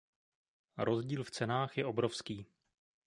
Rozdíl v cenách je obrovský.